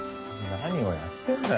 何をやってんだよ。